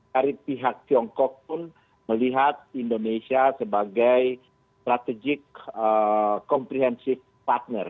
dari pihak tiongkok pun melihat indonesia sebagai strategic comprehensive partner